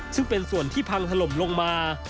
ซึ่งเป็นส่วนที่พังถล่มลงมา